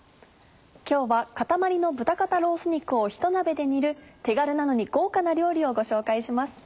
今日は塊の豚肩ロース肉をひと鍋で煮る手軽なのに豪華な料理をご紹介します。